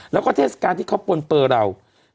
แล้วก็เทศกาลที่เขาปนเปลือเรา